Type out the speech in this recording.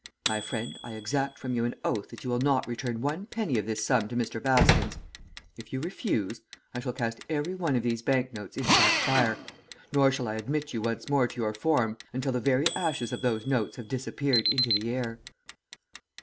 'My friend, I exact from you an oath that you will not return one penny of this sum to Mr. Baskins. If you refuse, I shall cast every one of these bank notes into that fire, nor shall I admit you once more to your form until the very ashes of those notes have disappeared into the air.'